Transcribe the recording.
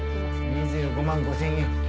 ２５万５０００円。